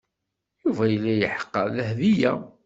Yuba yella yeḥqer Dahbiya.